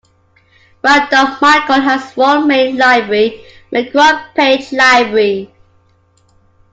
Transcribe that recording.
Randolph-Macon has one main library: McGraw-Page Library.